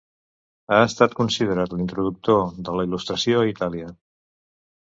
Ha estat considerat l'introductor de la Il·lustració a Itàlia.